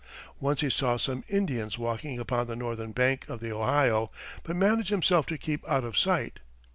Once he saw some Indians walking upon the northern bank of the Ohio, but managed himself to keep out of sight.